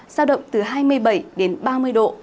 sao động từ hai mươi bảy đến ba mươi độ